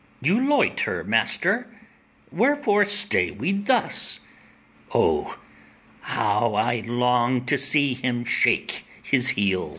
You loiter, master; wherefore stay we thus? O, how I long to see him shake his heels!